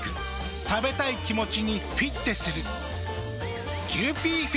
食べたい気持ちにフィッテする。